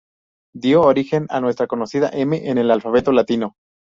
Dio origen a nuestra conocida M en el alfabeto latino.